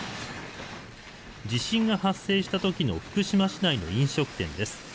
地震が発生したときの福島市内の飲食店です。